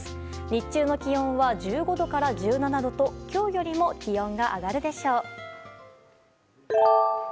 日中の気温は１５度から１７度と今日よりも気温が上がるでしょう。